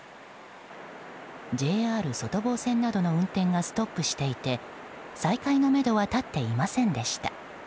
ＪＲ外房線などの運転などがストップしていて再開のめどは立っていませんでした。